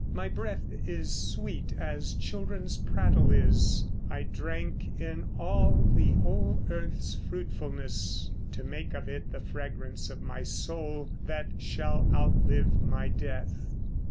My breath is sweet as children's prattle is; I drank in all the whole earth's fruitfulness, To make of it the fragrance of my soul That shall outlive my death.